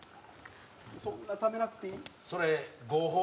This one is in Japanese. そんなためなくていい。